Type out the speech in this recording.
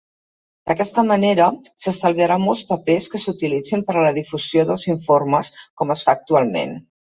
D'aquesta manera, s'estalviarà molts papers que s'utilitzin per a la difusió dels informes com es fa actualment.